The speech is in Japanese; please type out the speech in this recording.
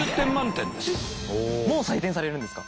もう採点されるんですか？